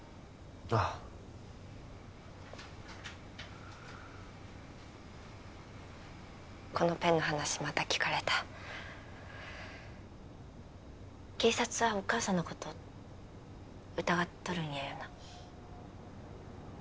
ああこのペンの話また聞かれた警察はお母さんのこと疑っとるんやよな？